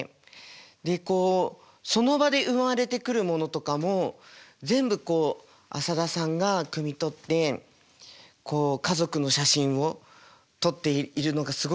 でこうその場で生まれてくるものとかも全部こう浅田さんがくみ取ってこう家族の写真を撮っているのがすごく印象的でした。